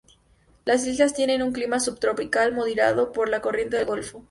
Las islas tienen un clima subtropical, moderado por la corriente del Golfo.